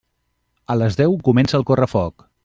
A les deu comença el correfoc.